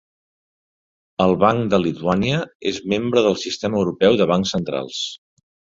"El Banc de Lituània" és membre del Sistema Europeu de Bancs Centrals.